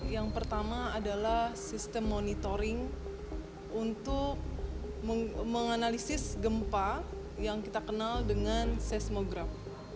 yang pertama adalah sistem monitoring untuk menganalisis gempa yang kita kenal dengan seismograf